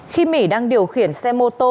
khi mỹ đang điều khiển xe mô tô